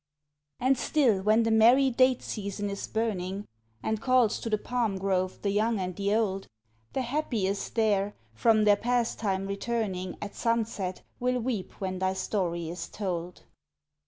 And still, when the merry date season is burning, And calls to the palm grove the young and the old, The happiest there, from their pastime returning At sunset, will weep when thy story is told.